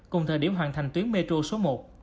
cùng thời điểm hoàn thành tuyến metro số một